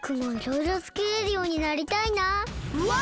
うわ！